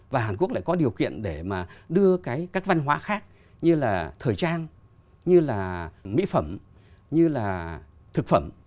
và hàn quốc lại có điều kiện để mà đưa cái các văn hóa khác như là thời trang như là mỹ phẩm như là thực phẩm